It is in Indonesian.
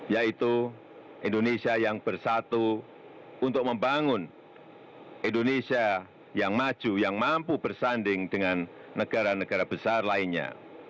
yaitu indonesia yang bersatu untuk membangun indonesia yang maju yang mampu bersanding dengan negara negara besar lainnya